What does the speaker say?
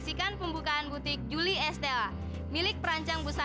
jangan lupa berdoa